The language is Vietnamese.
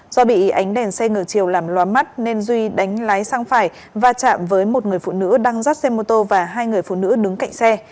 do bị ánh đèn xe ngược chiều làm loa mắt nên duy đánh lái sang phải và chạm với một người phụ nữ đang rắt xe mô tô và hai người phụ nữ đứng cạnh xe